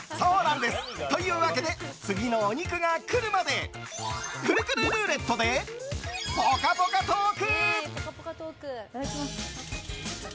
というわけで次のお肉が来るまでくるくるルーレットでぽかぽかトーク！